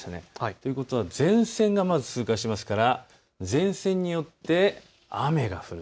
ということは前線がまず通過しますから、前線によって雨が降る。